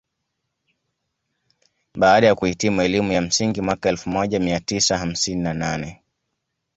Baada ya kuhitimu elimu ya msingi mwaka elfu moja mia tisa hamsini na nane